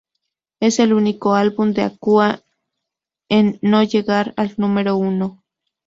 Es el único álbum de Aqua en no llegar al número uno.